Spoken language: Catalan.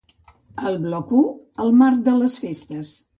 Al bloc u, El marc de les festes.